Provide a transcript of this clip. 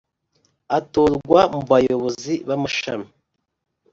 atorwa mu bayobozi b amashami